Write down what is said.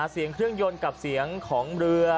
เสียงเครื่องยนต์กับเสียงของเรือ